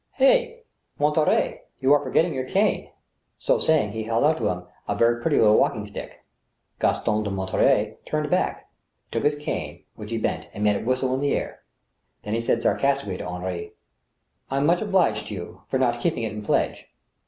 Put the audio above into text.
" Hi ! Monterey, you are forgetting your cane." So saying, he held out to him a very pretty little walking stick. Gaston de Monterey turned back, took his cane, which he bent, and made it whistle in the air. Then he said sarcastically to Henri :" I'm much obliged to you for not keeping it in pledge."